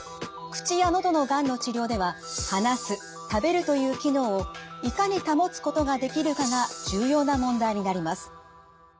口や喉のがんの治療では「話す」「食べる」という機能をいかに保つことができるかが重要な問題になります。